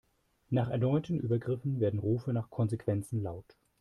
Nach erneuten Übergriffen werden Rufe nach Konsequenzen laut.